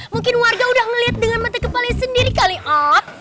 mungkin warga udah ngelihat dengan mata kepalanya sendiri kali ah